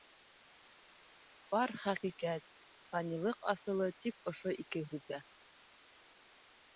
Бар хәҡиҡәт, фанилыҡ асылы тик ошо ике һүҙҙә.